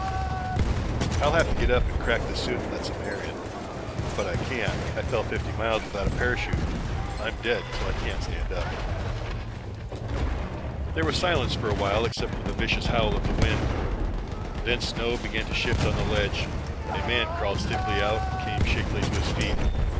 "I'll have to get up and crack this suit and let some air in. But I can't. I fell fifty miles without a parachute. I'm dead so I can't stand up." There was silence for a while except for the vicious howl of the wind. Then snow began to shift on the ledge. A man crawled stiffly out and came shakily to his feet.